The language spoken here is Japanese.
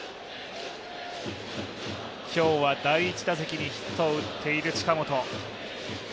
今日は第１打席にヒットを打っている近本。